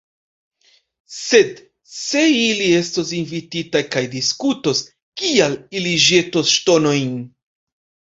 Sed, se ili estos invititaj kaj diskutos, kial ili ĵetus ŝtonojn?